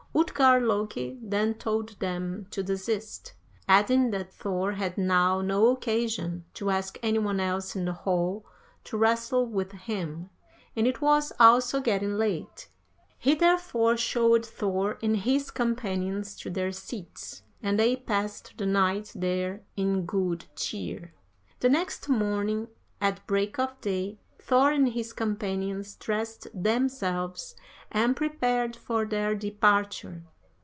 Utgard Loki then told them to desist, adding that Thor had now no occasion to ask any one else in the hall to wrestle with him, and it was also getting late. He therefore showed Thor and his companions to their seats, and they passed the night there in good cheer. 54. "The next morning, at break of day, Thor and his companions dressed themselves and prepared for their departure.